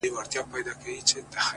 كه مي ازار يو ځلي ووهلې.!